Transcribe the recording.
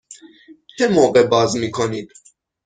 چه موقع باز می کنید؟